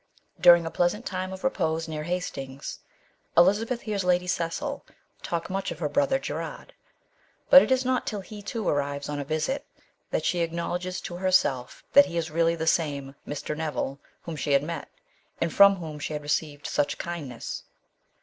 During a pleasant time of repose near Hastings, Elizabeth hears Lady Cecil talk much of her brother Gerard; but it is not till he, too, 13 * 196 MRS. SHELLEY. arrives on a visit, that she acknowledges to her self that he is really the same Mr. Neville whom she had met, and from whom she had received such kind ness.